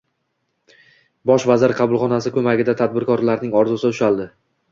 Bosh vazir qabulxonasi ko‘magida tadbirkorning orzusi ushaldi